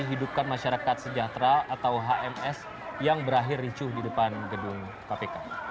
hidupkan masyarakat sejahtera atau hms yang berakhir ricuh di depan gedung kpk